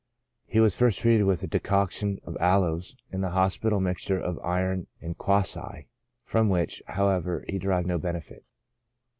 He was first treated with a decoction of aloes, and the hospital mixture of iron and quassia, from which, however, he de rived no benefit.